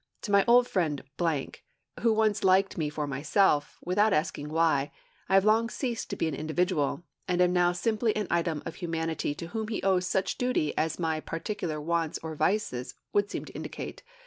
To my old friend , who once liked me for myself, without asking why, I have long ceased to be an individual, and am now simply an item of humanity to whom he owes such duty as my particular wants or vices would seem to indicate.